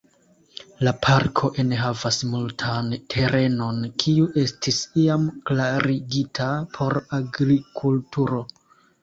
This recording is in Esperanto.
La parko enhavas multan terenon kiu estis iam klarigita por agrikulturo.